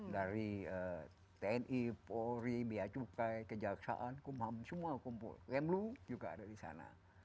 dari tni polri biacukai kejaksaan kumam semua kumpu lemlu juga ada di sana